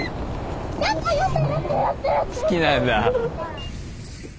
好きなんだ。